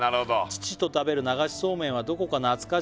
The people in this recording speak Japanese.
「父と食べる流しそうめんはどこか懐かしくて」